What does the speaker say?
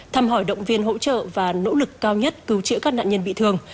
thăm hỏi động viên hỗ trợ và nỗ lực cao nhất cứu chữa các nạn nhân bị thương